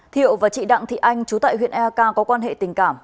thiệu và chị đặng thị anh chú tại huyện eak có quan hệ tình cảm